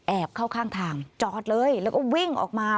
เข้าข้างทางจอดเลยแล้วก็วิ่งออกมา